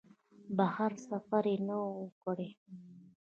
بهر سفر یې نه و کړی.